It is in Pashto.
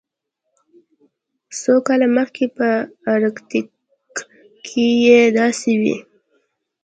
څو کاله مخکې په ارکټیک کې بیې داسې وې